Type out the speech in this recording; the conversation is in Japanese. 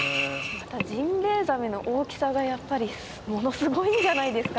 またジンベエザメの大きさがやっぱりものすごいんじゃないですか？